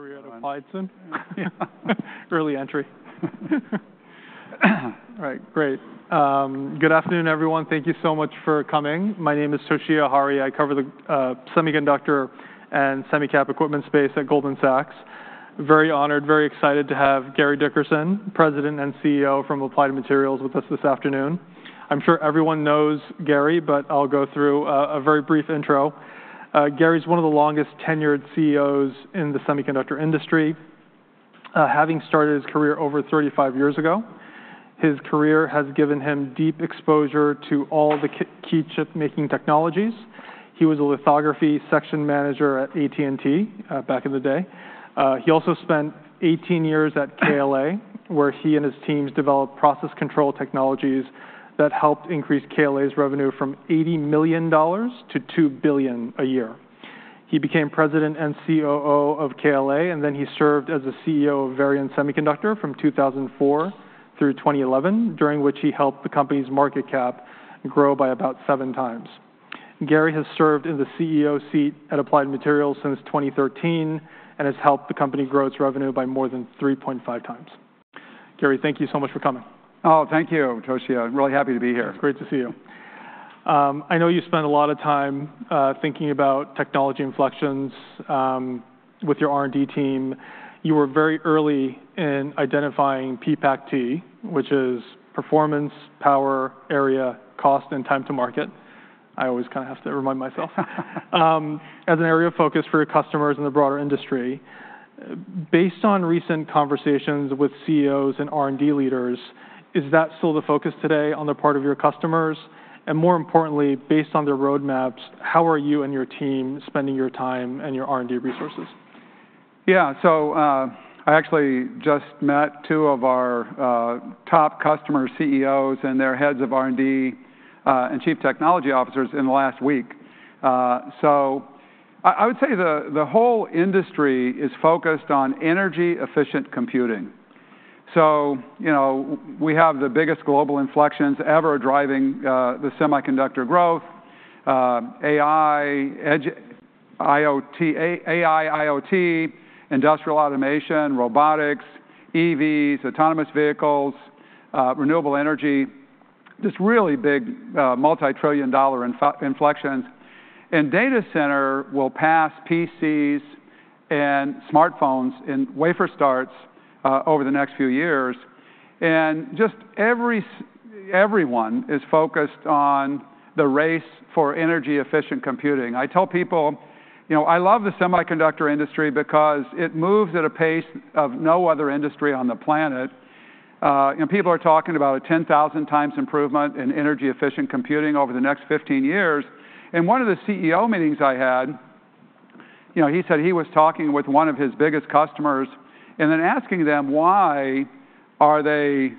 a career at Applied soon? Early entry. All right, great. Good afternoon, everyone. Thank you so much for coming. My name is Toshiya Hari. I cover the semiconductor and semi-cap equipment space at Goldman Sachs. Very honored, very excited to have Gary Dickerson, President and CEO from Applied Materials, with us this afternoon. I'm sure everyone knows Gary, but I'll go through a very brief intro. Gary's one of the longest-tenured CEOs in the semiconductor industry, having started his career over thirty-five years ago. His career has given him deep exposure to all the key chipmaking technologies. He was a lithography section manager at AT&T, back in the day. He also spent eighteen years at KLA, where he and his teams developed process control technologies that helped increase KLA's revenue from $80 million to $2 billion a year. He became president and COO of KLA, and then he served as the CEO of Varian Semiconductor from 2004 through 2011, during which he helped the company's market cap grow by about seven times. Gary has served in the CEO seat at Applied Materials since 2013 and has helped the company grow its revenue by more than three point five times. Gary, thank you so much for coming. Oh, thank you, Toshiya. Really happy to be here. It's great to see you. I know you spend a lot of time thinking about technology inflections with your R&D team. You were very early in identifying PPACt, which is performance, power, area, cost, and time to market. I always kind of have to remind myself as an area of focus for your customers in the broader industry. Based on recent conversations with CEOs and R&D leaders, is that still the focus today on the part of your customers? And more importantly, based on their roadmaps, how are you and your team spending your time and your R&D resources? Yeah. So, I actually just met two of our top customer CEOs and their heads of R&D and chief technology officers in the last week. So, I would say the whole industry is focused on energy-efficient computing. So, you know, we have the biggest global inflections ever driving the semiconductor growth: AI, edge, IoT, AIoT, industrial automation, robotics, EVs, autonomous vehicles, renewable energy. Just really big multi-trillion dollar inflections. And data center will pass PCs and smartphones in wafer starts over the next few years. And just everyone is focused on the race for energy-efficient computing. I tell people, you know, I love the semiconductor industry because it moves at a pace of no other industry on the planet. And people are talking about a 10,000 times improvement in energy-efficient computing over the next 15 years. In one of the CEO meetings I had, you know, he said he was talking with one of his biggest customers and then asking them, why are they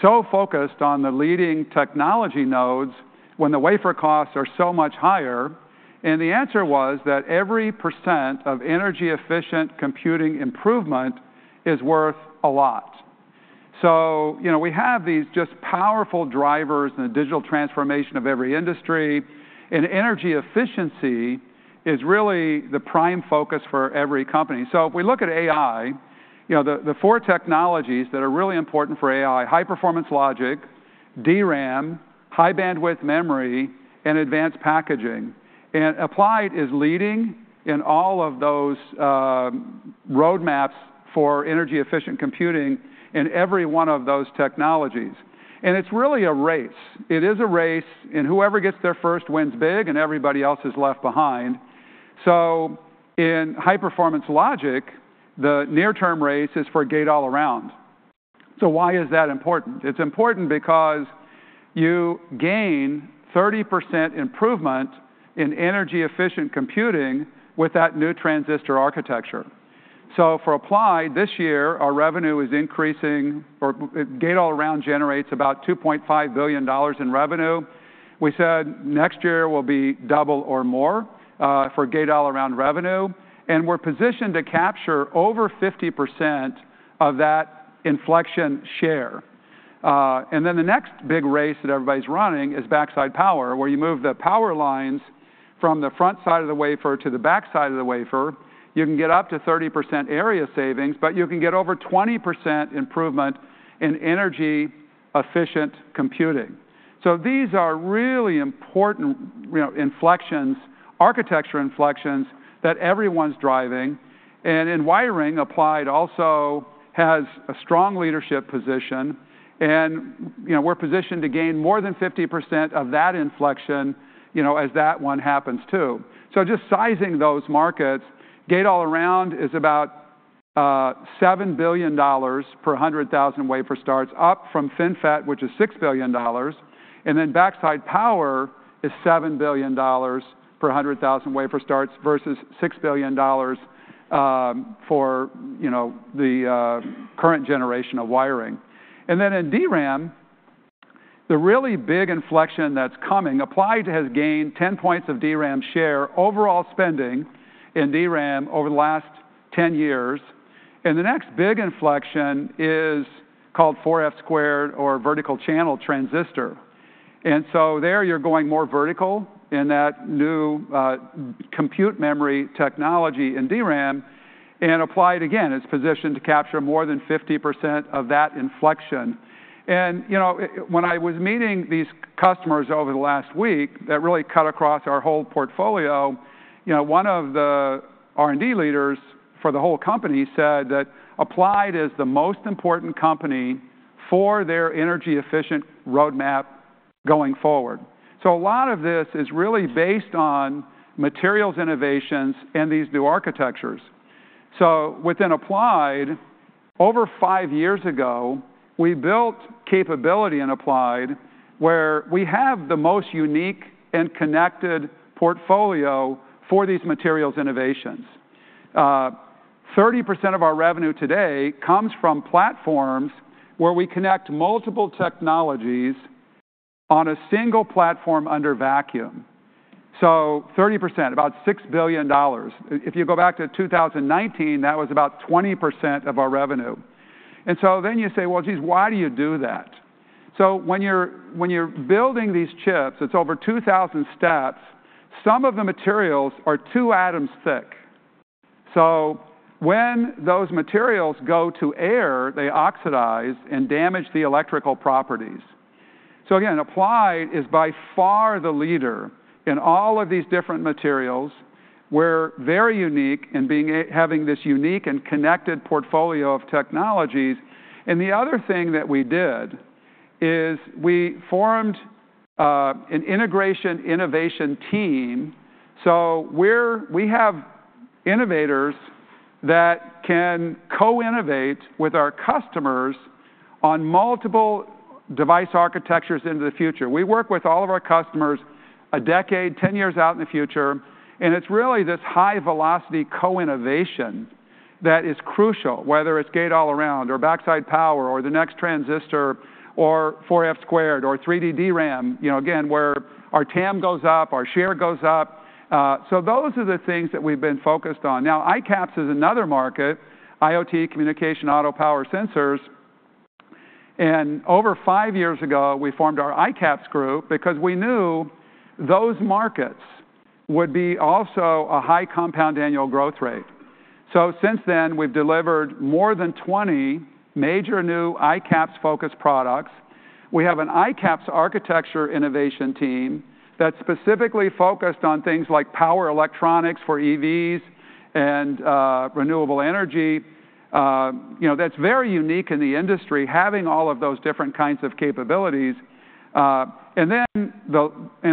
so focused on the leading technology nodes when the wafer costs are so much higher? And the answer was that every 1% of energy-efficient computing improvement is worth a lot. So, you know, we have these just powerful drivers in the digital transformation of every industry, and energy efficiency is really the prime focus for every company. So if we look at AI, you know, the four technologies that are really important for AI: high-performance logic, DRAM, high-bandwidth memory, and advanced packaging. And Applied is leading in all of those roadmaps for energy-efficient computing in every one of those technologies. It's really a race. It is a race, and whoever gets there first wins big, and everybody else is left behind. In high-performance logic, the near-term race is for Gate-All-Around. Why is that important? It's important because you gain 30% improvement in energy-efficient computing with that new transistor architecture. For Applied, this year, Gate-All-Around generates about $2.5 billion in revenue. We said next year will be double or more for Gate-All-Around revenue, and we're positioned to capture over 50% of that inflection share. The next big race that everybody's running is backside power, where you move the power lines from the front side of the wafer to the backside of the wafer. You can get up to 30% area savings, but you can get over 20% improvement in energy-efficient computing. So these are really important, you know, inflections, architecture inflections, that everyone's driving. And in wiring, Applied also has a strong leadership position, and, you know, we're positioned to gain more than 50% of that inflection, you know, as that one happens, too. So just sizing those markets, Gate-All-Around is about $7 billion per 100,000 wafer starts, up from FinFET, which is $6 billion, and then backside power is $7 billion per 100,000 wafer starts versus $6 billion for, you know, the current generation of wiring. And then in DRAM, the really big inflection that's coming, Applied has gained 10 points of DRAM share overall spending in DRAM over the last 10 years. The next big inflection is called 4F squared or vertical channel transistor. There you're going more vertical in that new, compute memory technology in DRAM, and Applied, again, is positioned to capture more than 50% of that inflection. You know, when I was meeting these customers over the last week, that really cut across our whole portfolio. You know, one of the R&D leaders for the whole company said that Applied is the most important company for their energy-efficient roadmap going forward. A lot of this is really based on materials innovations and these new architectures. Within Applied, over five years ago, we built capability in Applied, where we have the most unique and connected portfolio for these materials innovations. 30% of our revenue today comes from platforms where we connect multiple technologies on a single platform under vacuum. 30%, about $6 billion. If you go back to 2019, that was about 20% of our revenue. And so then you say, "Well, geez, why do you do that?" When you're building these chips, it's over 2,000 steps. Some of the materials are two atoms thick. So when those materials go to air, they oxidize and damage the electrical properties. So again, Applied is by far the leader in all of these different materials. We're very unique in having this unique and connected portfolio of technologies. And the other thing that we did is we formed an integration innovation team. So we have innovators that can co-innovate with our customers on multiple device architectures into the future. We work with all of our customers a decade, ten years out in the future, and it's really this high-velocity co-innovation that is crucial, whether it's Gate-All-Around, or backside power, or the next transistor, or 4F squared, or 3D DRAM, you know, again, where our TAM goes up, our share goes up. So those are the things that we've been focused on. Now, ICAPS is another market, IoT, communications, automotive, power, sensors, and over five years ago, we formed our ICAPS group because we knew those markets would be also a high compound annual growth rate. So since then, we've delivered more than 20 major new ICAPS-focused products. We have an ICAPS architecture innovation team that's specifically focused on things like power electronics for EVs and renewable energy. You know, that's very unique in the industry, having all of those different kinds of capabilities. And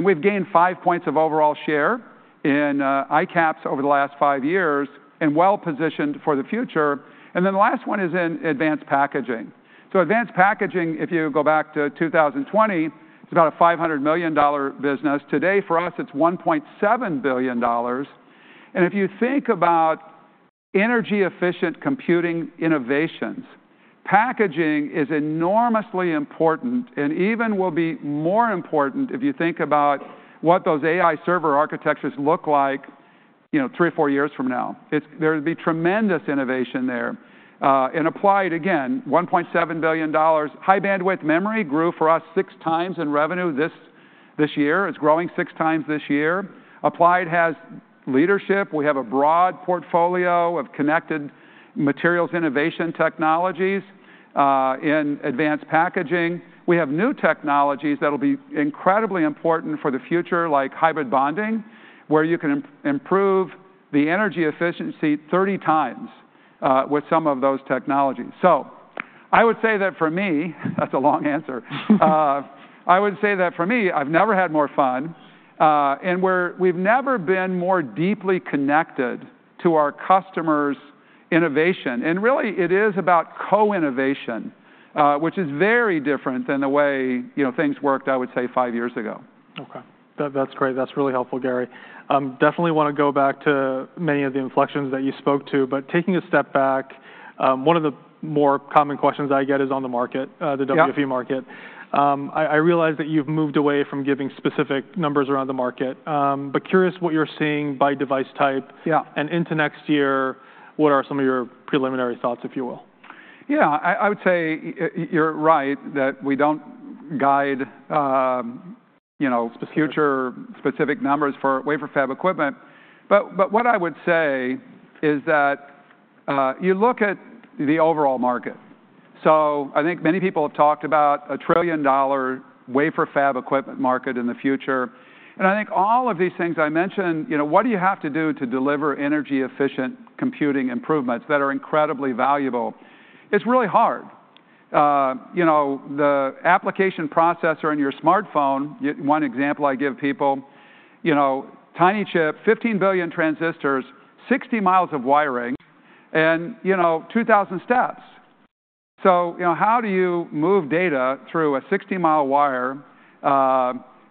we've gained five points of overall share in ICAPS over the last five years and well-positioned for the future. And then the last one is in advanced packaging. So advanced packaging, if you go back to 2020, it's about a $500 million business. Today, for us, it's $1.7 billion. And if you think about energy-efficient computing innovations, packaging is enormously important and even will be more important if you think about what those AI server architectures look like, you know, three or four years from now. There would be tremendous innovation there. In Applied, again, $1.7 billion. High-bandwidth memory grew for us six times in revenue this year. It's growing six times this year. Applied has leadership. We have a broad portfolio of connected materials innovation technologies in advanced packaging. We have new technologies that'll be incredibly important for the future, like hybrid bonding, where you can improve the energy efficiency thirty times with some of those technologies, so I would say that for me, that's a long answer. I would say that for me, I've never had more fun, and we've never been more deeply connected to our customers' innovation, and really, it is about co-innovation, which is very different than the way, you know, things worked, I would say, five years ago. Okay. That's great. That's really helpful, Gary. Definitely want to go back to many of the inflections that you spoke to, but taking a step back, one of the more common questions I get is on the market. Yeah... the WFE market. I realize that you've moved away from giving specific numbers around the market, but curious what you're seeing by device type? Yeah... and into next year, what are some of your preliminary thoughts, if you will? Yeah, I would say you're right, that we don't guide, you know, future specific numbers for wafer fab equipment. But what I would say is that, you look at the overall market. So I think many people have talked about a $1 trillion wafer fab equipment market in the future, and I think all of these things I mentioned, you know, what do you have to do to deliver energy-efficient computing improvements that are incredibly valuable? It's really hard. You know, the application processor in your smartphone, one example I give people, you know, tiny chip, 15 billion transistors, 60 miles of wiring, and, you know, 2,000 steps. So, you know, how do you move data through a 60-mile wire,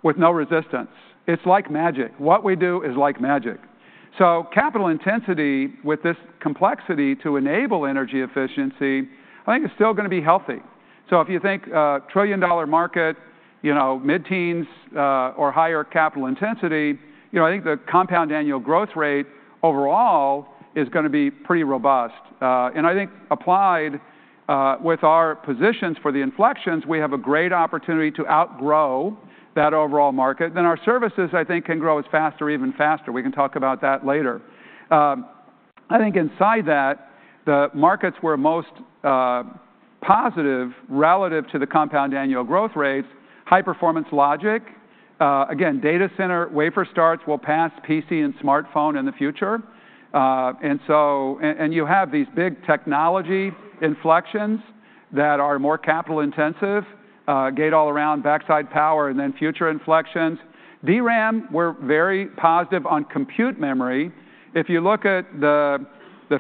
with no resistance? It's like magic. What we do is like magic. So capital intensity with this complexity to enable energy efficiency, I think it's still gonna be healthy. So if you think, trillion-dollar market, you know, mid-teens or higher capital intensity, you know, I think the compound annual growth rate overall is gonna be pretty robust. And I think Applied Materials, with our positions for the inflections, we have a great opportunity to outgrow that overall market. Then our services, I think, can grow as fast or even faster. We can talk about that later. I think inside that, the markets were most positive relative to the compound annual growth rates, high-performance logic. Again, data center, wafer starts will pass PC and smartphone in the future. And so you have these big technology inflections that are more capital intensive, Gate-All-Around, backside power, and then future inflections. DRAM, we're very positive on compute memory. If you look at the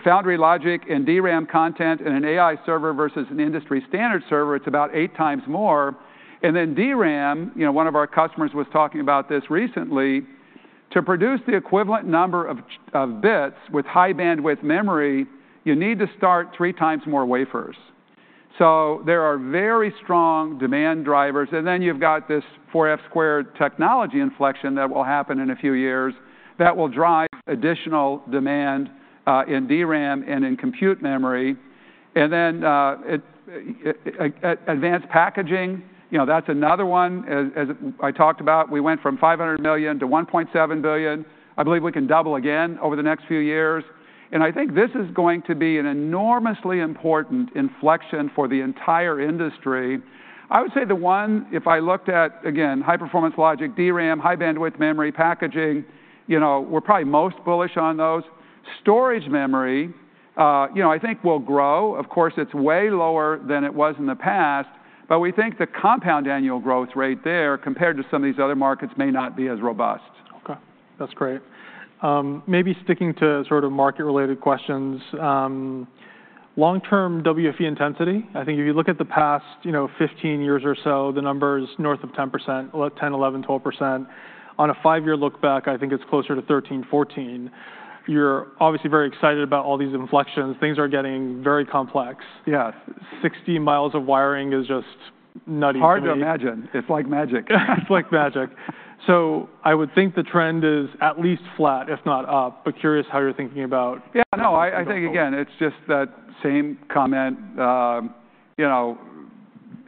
foundry logic and DRAM content in an AI server versus an industry standard server, it's about eight times more. And then DRAM, you know, one of our customers was talking about this recently, to produce the equivalent number of bits with high-bandwidth memory, you need to start three times more wafers. So there are very strong demand drivers, and then you've got this 4F-squared technology inflection that will happen in a few years that will drive additional demand in DRAM and in compute memory. And then advanced packaging, you know, that's another one. As I talked about, we went from 500 million to 1.7 billion. I believe we can double again over the next few years, and I think this is going to be an enormously important inflection for the entire industry. I would say the one, if I looked at, again, high-performance logic, DRAM, high-bandwidth memory, packaging, you know, we're probably most bullish on those. Storage memory, you know, I think will grow. Of course, it's way lower than it was in the past, but we think the compound annual growth rate there, compared to some of these other markets, may not be as robust. Okay, that's great. Maybe sticking to sort of market-related questions, long-term WFE intensity, I think if you look at the past, you know, 15 years or so, the number's north of 10%, well, 10, 11, 12%. On a 5-year look back, I think it's closer to 13, 14%. You're obviously very excited about all these inflections. Things are getting very complex. Yeah. 16 miles of wiring is just nutty. Hard to imagine. It's like magic. It's like magic. So I would think the trend is at least flat, if not up, but curious how you're thinking about- Yeah, no, I think, again, it's just that same comment. You know,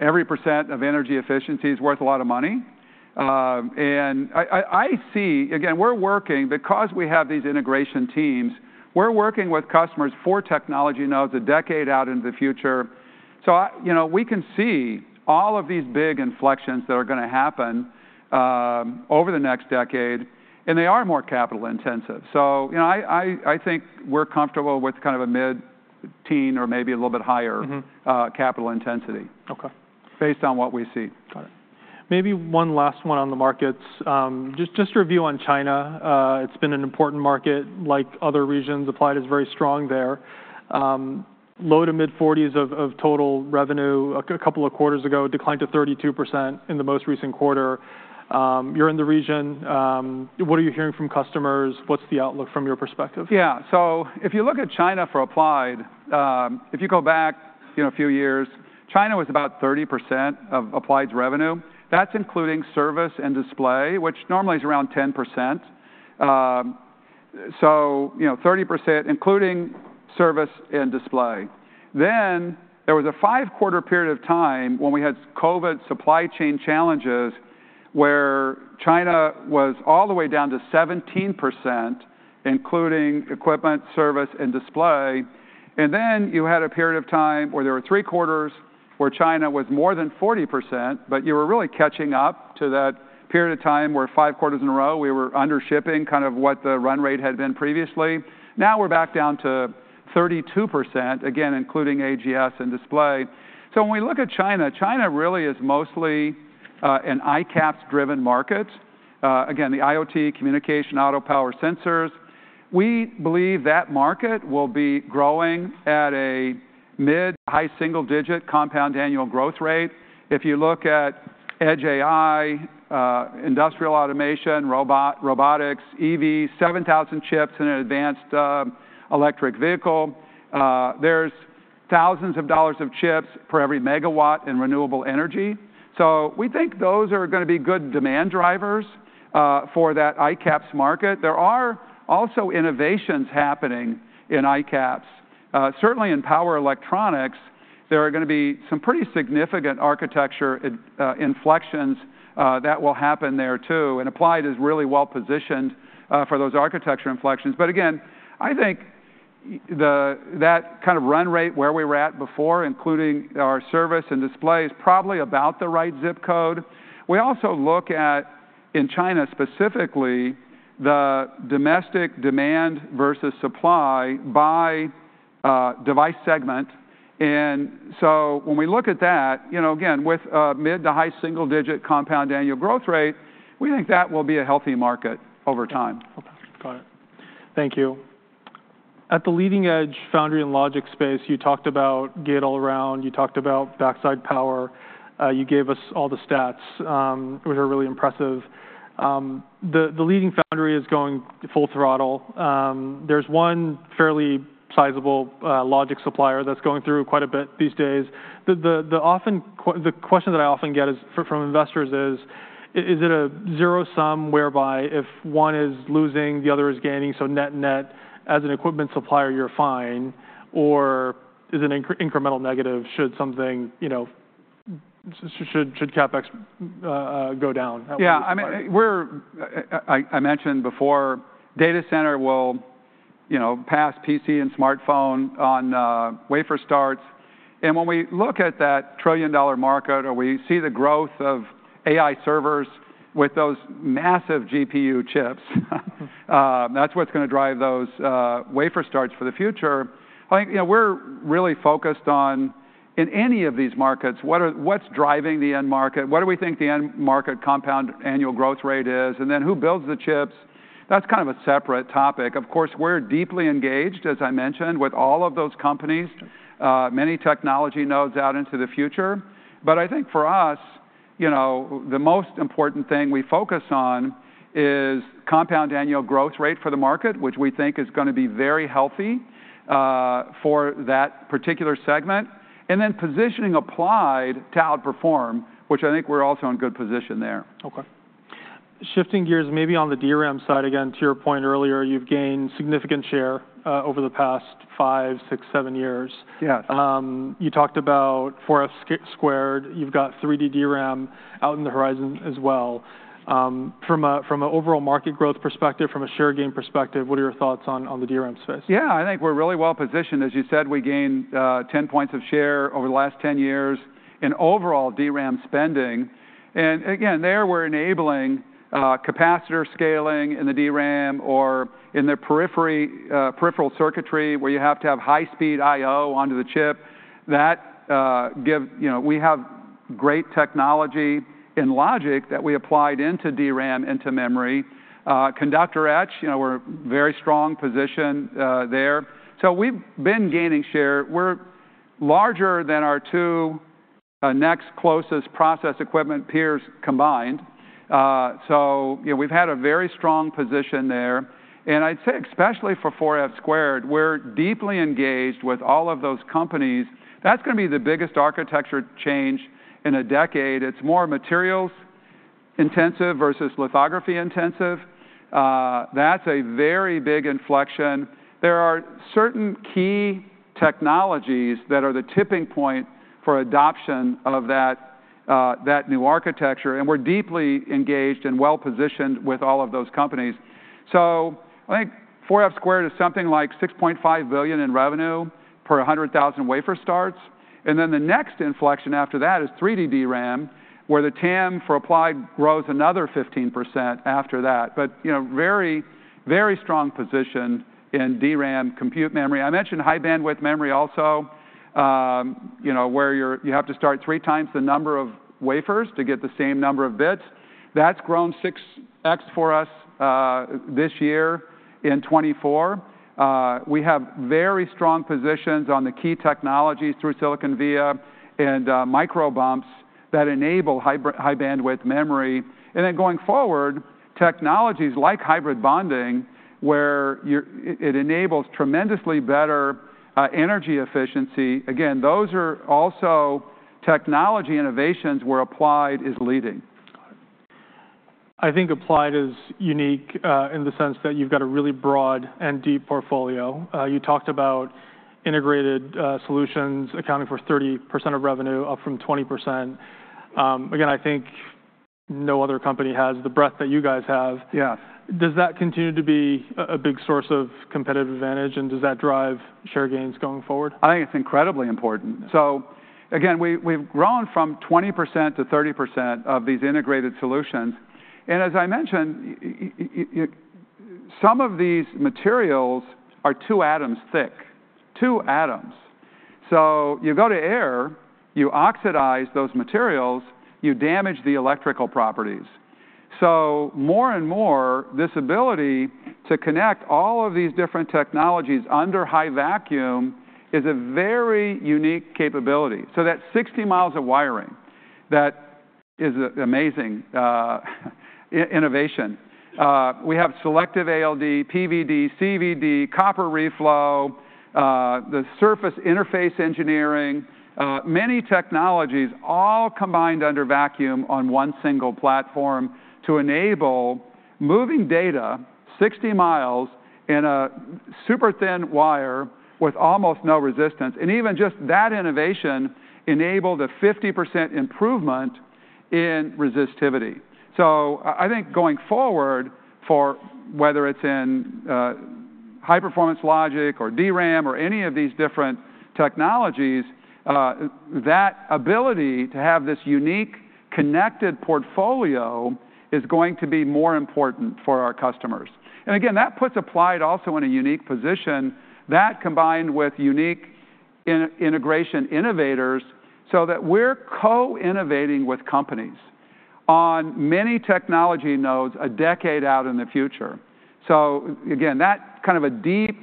every percent of energy efficiency is worth a lot of money. And I see... Again, we're working, because we have these integration teams, we're working with customers for technology nodes a decade out into the future. So you know, we can see all of these big inflections that are gonna happen over the next decade, and they are more capital intensive. So, you know, I think we're comfortable with kind of a mid-teen or maybe a little bit higher- Mm-hmm... capital intensity. Okay. Based on what we see. Got it. Maybe one last one on the markets. Just review on China. It's been an important market. Like other regions, Applied is very strong there. Low to mid-forties% of total revenue a couple of quarters ago, declined to 32% in the most recent quarter. You're in the region. What are you hearing from customers? What's the outlook from your perspective? Yeah. So if you look at China for Applied, if you go back, you know, a few years, China was about 30% of Applied's revenue. That's including service and display, which normally is around 10%. So, you know, 30%, including service and display. Then there was a five-quarter period of time when we had COVID supply chain challenges, where China was all the way down to 17%, including equipment, service, and display. And then you had a period of time where there were three quarters where China was more than 40%, but you were really catching up to that period of time, where five quarters in a row, we were under shipping kind of what the run rate had been previously. Now, we're back down to 32%, again, including AGS and display. So when we look at China, China really is mostly an ICAPS-driven market. Again, the IoT communication, auto power sensors. We believe that market will be growing at a mid- to high single-digit compound annual growth rate. If you look at Edge AI, industrial automation, robotics, EV, seven thousand chips in an advanced electric vehicle, there's thousands of dollars of chips per every megawatt in renewable energy. So we think those are gonna be good demand drivers for that ICAPS market. There are also innovations happening in ICAPS. Certainly in power electronics, there are gonna be some pretty significant architecture inflections that will happen there too, and Applied is really well positioned for those architecture inflections. But again, I think that kind of run rate, where we were at before, including our service and display, is probably about the right zip code. We also look at, in China specifically, the domestic demand versus supply by device segment. And so when we look at that, you know, again, with a mid to high single-digit compound annual growth rate, we think that will be a healthy market over time. Okay. Got it. Thank you. At the leading-edge foundry and logic space, you talked about Gate-All-Around, you talked about backside power, you gave us all the stats, which are really impressive. The leading foundry is going full throttle. There's one fairly sizable logic supplier that's going through quite a bit these days. The question that I often get is, from investors is: Is it a zero sum whereby if one is losing, the other is gaining, so net-net, as an equipment supplier, you're fine? Or is it an incremental negative should something, you know, should CapEx go down? Yeah, I mean, we're, I mentioned before, data center will, you know, pass PC and smartphone on wafer starts. And when we look at that trillion-dollar market or we see the growth of AI servers with those massive GPU chips, that's what's gonna drive those wafer starts for the future. I think, you know, we're really focused on, in any of these markets, what's driving the end market? What do we think the end market compound annual growth rate is, and then who builds the chips? That's kind of a separate topic. Of course, we're deeply engaged, as I mentioned, with all of those companies, many technology nodes out into the future. But I think for us, you know, the most important thing we focus on is compound annual growth rate for the market, which we think is gonna be very healthy for that particular segment, and then positioning Applied to outperform, which I think we're also in good position there. Okay. Shifting gears, maybe on the DRAM side, again, to your point earlier, you've gained significant share over the past five, six, seven years. Yes. You talked about 4F Squared. You've got 3D DRAM on the horizon as well. From an overall market growth perspective, from a share gain perspective, what are your thoughts on the DRAM space? Yeah, I think we're really well positioned. As you said, we gained 10 points of share over the last 10 years in overall DRAM spending, and again, there we're enabling capacitor scaling in the DRAM or in the periphery, peripheral circuitry, where you have to have high-speed I/O onto the chip. That. You know, we have great technology in logic that we applied into DRAM, into memory. Conductor etch, you know, we're very strong position there. So we've been gaining share. We're larger than our two next closest process equipment peers combined. So, you know, we've had a very strong position there, and I'd say, especially for 4F Squared, we're deeply engaged with all of those companies. That's gonna be the biggest architecture change in a decade. It's more materials-intensive versus lithography-intensive. That's a very big inflection. There are certain key technologies that are the tipping point for adoption of that new architecture, and we're deeply engaged and well-positioned with all of those companies. So I think 4F Squared is something like $6.5 billion in revenue per 100,000 wafer starts, and then the next inflection after that is 3D DRAM, where the TAM for Applied grows another 15% after that. But, you know, very, very strong position in DRAM compute memory. I mentioned high-bandwidth memory also, you know, where you have to start three times the number of wafers to get the same number of bits. That's grown 6x for us this year in 2024. We have very strong positions on the key technologies through-silicon via and microbumps that enable high-bandwidth memory. And then going forward, technologies like hybrid bonding, where it enables tremendously better energy efficiency. Again, those are also technology innovations where Applied is leading. I think Applied is unique in the sense that you've got a really broad and deep portfolio. You talked about integrated solutions accounting for 30% of revenue, up from 20%. Again, I think no other company has the breadth that you guys have. Yeah. Does that continue to be a big source of competitive advantage, and does that drive share gains going forward? I think it's incredibly important. So again, we've grown from 20% to 30% of these integrated solutions, and as I mentioned, some of these materials are two atoms thick, two atoms. So you go to air, you oxidize those materials, you damage the electrical properties. So more and more, this ability to connect all of these different technologies under high vacuum is a very unique capability. So that's 60 miles of wiring. That is an amazing innovation. We have selective ALD, PVD, CVD, copper reflow, the surface interface engineering, many technologies all combined under vacuum on one single platform to enable moving data 60 miles in a super thin wire with almost no resistance. And even just that innovation enabled a 50% improvement in resistivity. So I think going forward, for whether it's in high-performance logic or DRAM or any of these different technologies, that ability to have this unique, connected portfolio is going to be more important for our customers. And again, that puts Applied also in a unique position. That, combined with unique integration innovators, so that we're co-innovating with companies on many technology nodes a decade out in the future. So again, that kind of a deep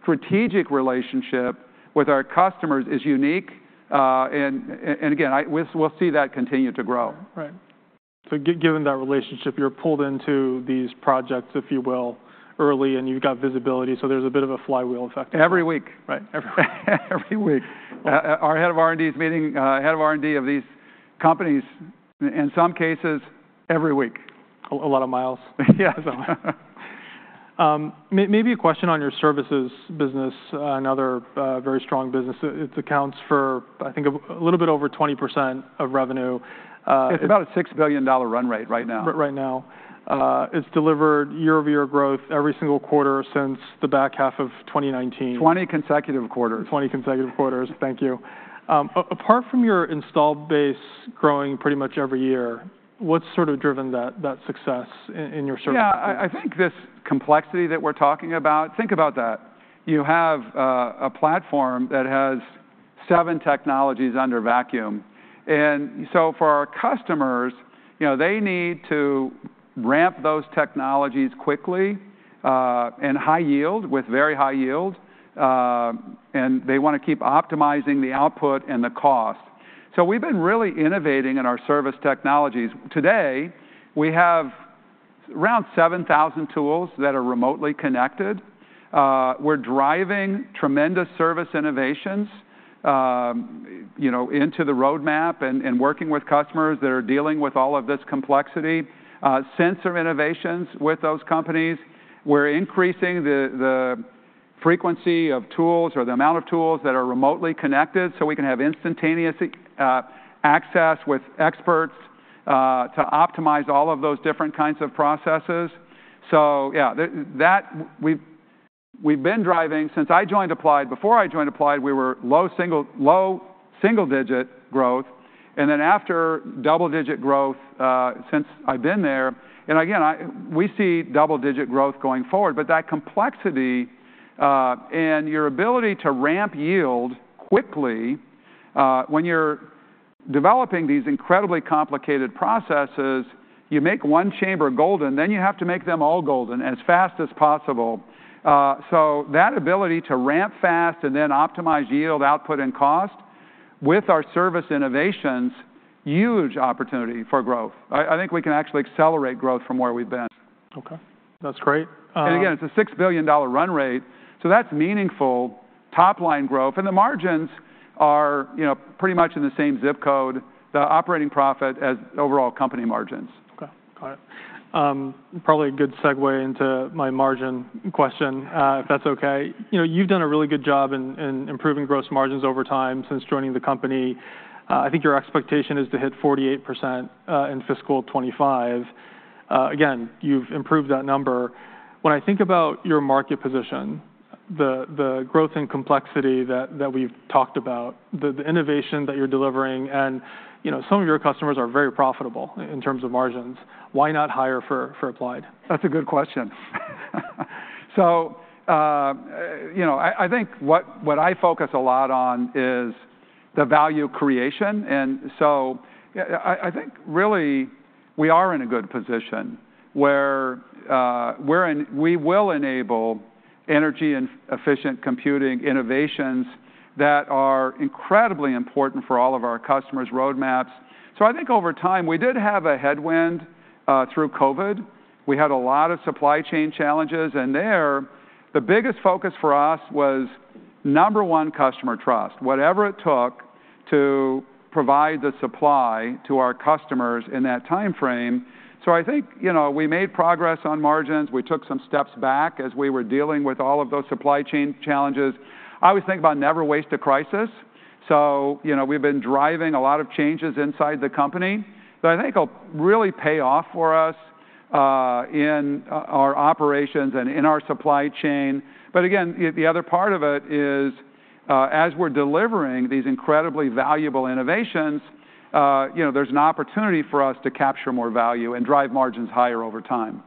strategic relationship with our customers is unique, and again, we'll see that continue to grow. Right. So given that relationship, you're pulled into these projects, if you will, early, and you've got visibility, so there's a bit of a flywheel effect. Every week. Right. Every week. Our head of R&D is meeting head of R&D of these companies, in some cases, every week. A lot of miles. Yes.... Maybe a question on your services business, another very strong business. It accounts for, I think, a little bit over 20% of revenue. It's about a $6 billion run rate right now. Right now, it's delivered year-over-year growth every single quarter since the back half of 2019. 20 consecutive quarters. 20 consecutive quarters, thank you. Apart from your installed base growing pretty much every year, what's sort of driven that success in your services? Yeah, I think this complexity that we're talking about, think about that. You have a platform that has seven technologies under vacuum, and so for our customers, you know, they need to ramp those technologies quickly and high yield, with very high yield, and they want to keep optimizing the output and the cost. So we've been really innovating in our service technologies. Today, we have around seven thousand tools that are remotely connected. We're driving tremendous service innovations, you know, into the roadmap and working with customers that are dealing with all of this complexity, sensor innovations with those companies. We're increasing the frequency of tools or the amount of tools that are remotely connected, so we can have instantaneous access with experts to optimize all of those different kinds of processes. So yeah, that we've been driving since I joined Applied. Before I joined Applied, we were low single-digit growth, and then after, double-digit growth since I've been there, and again, we see double-digit growth going forward. But that complexity and your ability to ramp yield quickly when you're developing these incredibly complicated processes, you make one chamber golden, then you have to make them all golden as fast as possible. So that ability to ramp fast and then optimize yield, output, and cost with our service innovations, huge opportunity for growth. I think we can actually accelerate growth from where we've been. Okay, that's great. Again, it's a $6 billion run rate, so that's meaningful top-line growth, and the margins are, you know, pretty much in the same zip code, the operating profit as overall company margins. Okay. Got it. Probably a good segue into my margin question, if that's okay. You know, you've done a really good job in improving gross margins over time since joining the company. I think your expectation is to hit 48% in fiscal 2025. Again, you've improved that number. When I think about your market position, the growth and complexity that we've talked about, the innovation that you're delivering, and, you know, some of your customers are very profitable in terms of margins. Why not higher for Applied? That's a good question. So, you know, I think what I focus a lot on is the value creation, and so, yeah, I think really we are in a good position where we will enable energy-efficient computing innovations that are incredibly important for all of our customers' roadmaps. So I think over time, we did have a headwind through COVID. We had a lot of supply chain challenges, and the biggest focus for us was number one, customer trust. Whatever it took to provide the supply to our customers in that timeframe. So I think, you know, we made progress on margins. We took some steps back as we were dealing with all of those supply chain challenges. I always think about never waste a crisis, so, you know, we've been driving a lot of changes inside the company that I think will really pay off for us, in our operations and in our supply chain. But again, the other part of it is, as we're delivering these incredibly valuable innovations, you know, there's an opportunity for us to capture more value and drive margins higher over time.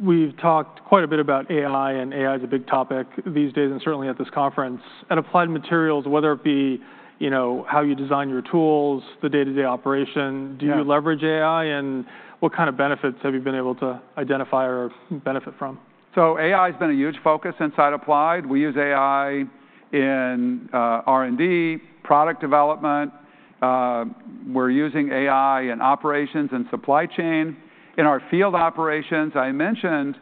We've talked quite a bit about AI, and AI is a big topic these days, and certainly at this conference. At Applied Materials, whether it be, you know, how you design your tools, the day-to-day operation- Yeah. Do you leverage AI, and what kind of benefits have you been able to identify or benefit from? So AI's been a huge focus inside Applied. We use AI in R&D, product development. We're using AI in operations and supply chain. In our field operations, I mentioned,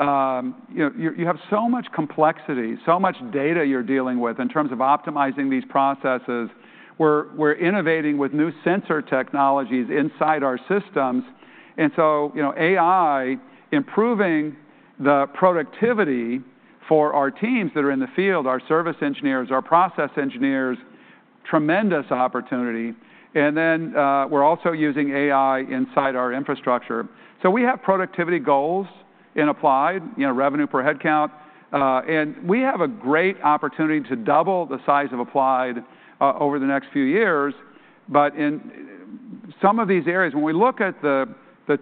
you have so much complexity, so much data you're dealing with in terms of optimizing these processes. We're innovating with new sensor technologies inside our systems, and so, you know, AI improving the productivity for our teams that are in the field, our service engineers, our process engineers, tremendous opportunity, and then we're also using AI inside our infrastructure, so we have productivity goals in Applied, you know, revenue per headcount, and we have a great opportunity to double the size of Applied over the next few years. But in some of these areas, when we look at the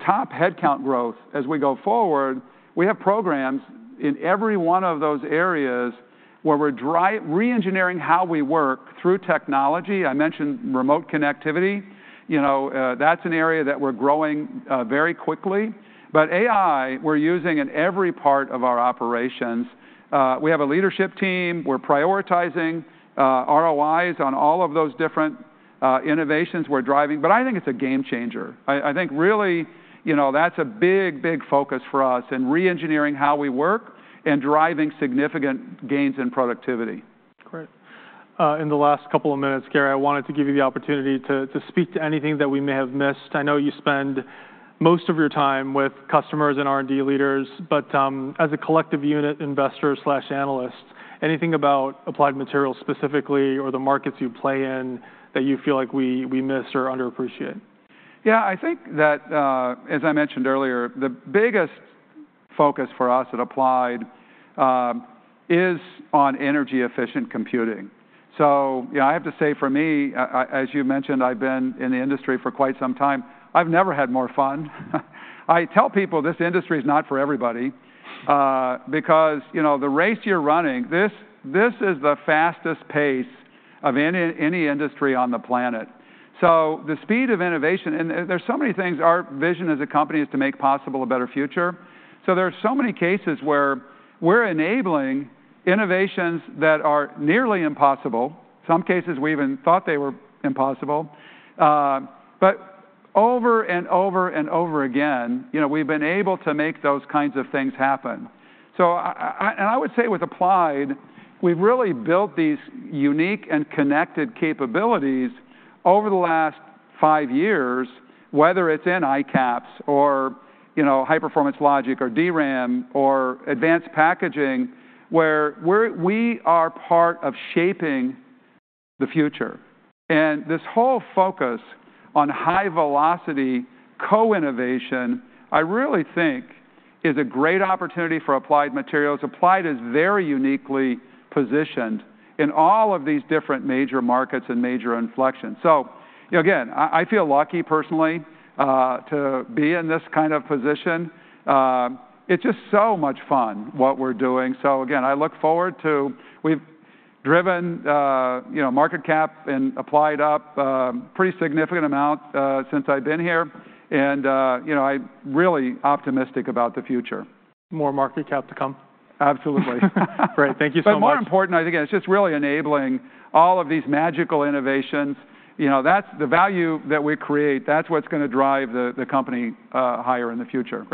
top headcount growth as we go forward, we have programs in every one of those areas where we're reengineering how we work through technology. I mentioned remote connectivity. You know, that's an area that we're growing very quickly. But AI, we're using in every part of our operations. We have a leadership team. We're prioritizing ROIs on all of those different innovations we're driving, but I think it's a game changer. I think really, you know, that's a big, big focus for us in reengineering how we work and driving significant gains in productivity. Great... in the last couple of minutes, Gary, I wanted to give you the opportunity to speak to anything that we may have missed. I know you spend most of your time with customers and R&D leaders, but, as a collective unit, investors/analysts, anything about Applied Materials specifically or the markets you play in that you feel like we missed or underappreciate? Yeah, I think that, as I mentioned earlier, the biggest focus for us at Applied, is on energy-efficient computing. So, you know, I have to say, for me, as you mentioned, I've been in the industry for quite some time, I've never had more fun. I tell people, this industry is not for everybody, because, you know, the race you're running, this is the fastest pace of any industry on the planet. So the speed of innovation and there's so many things. Our vision as a company is to make possible a better future, so there are so many cases where we're enabling innovations that are nearly impossible. Some cases, we even thought they were impossible. But over and over and over again, you know, we've been able to make those kinds of things happen. So, I would say with Applied, we've really built these unique and connected capabilities over the last five years, whether it's in ICAPS or, you know, high-performance logic, or DRAM, or advanced packaging, where we are part of shaping the future. And this whole focus on high-velocity co-innovation, I really think is a great opportunity for Applied Materials. Applied is very uniquely positioned in all of these different major markets and major inflections. So, you know, again, I feel lucky personally to be in this kind of position. It's just so much fun, what we're doing. So again, I look forward to... We've driven, you know, market cap and Applied up pretty significant amount since I've been here. And, you know, I'm really optimistic about the future. More market cap to come? Absolutely. Great. Thank you so much. But more important, I think, again, it's just really enabling all of these magical innovations. You know, that's the value that we create. That's what's gonna drive the company higher in the future. Right.